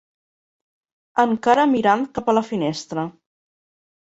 Encara mirant cap a la finestra.